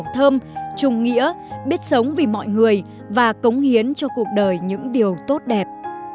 sống thơm trung nghĩa biết sống vì mọi người và cống hiến cho cuộc đời những điều tốt đẹp